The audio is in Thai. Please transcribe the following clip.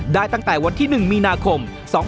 ตั้งแต่วันที่๑มีนาคม๒๕๖๒